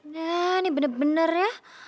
nah ini bener bener ya